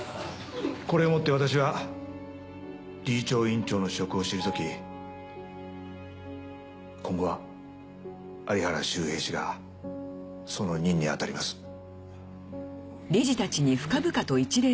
これをもって私は理事長院長の職を退き今後は有原修平氏がその任にあたります。